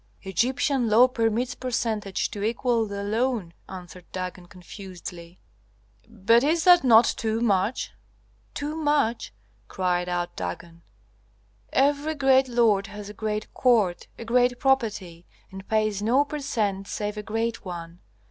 "Egyptian law permits percentage to equal the loan," answered Dagon, confusedly. "But is that not too much?" "Too much?" cried out Dagon. "Every great lord has a great court, a great property, and pays no per cent save a great one.